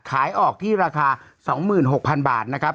ขายออกที่ราคา๒๖๐๐๐บาทนะครับ